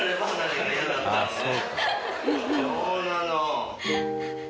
そうなの。